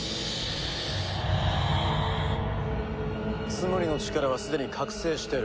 ツムリの力はすでに覚醒してる。